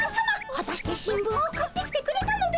はたして新聞を買ってきてくれたのでしょうか？